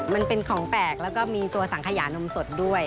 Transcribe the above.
มันเป็นของแปลกแล้วก็มีตัวสังขยานมสดด้วย